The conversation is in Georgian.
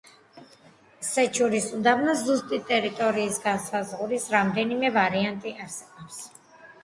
სეჩურის უდაბნოს ზუსტი ტერიტორიის განსაზღვრის რამდენიმე ვარიანტი არსებობს.